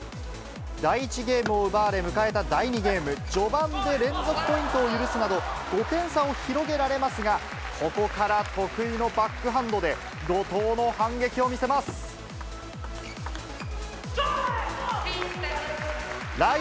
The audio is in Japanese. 第１ゲームを奪われ、迎えた第２ゲーム、序盤で連続ポイントを許すなど、５点差を広げられますが、ここから得意のバックハンドで、怒とうの反撃を見せチョレイ！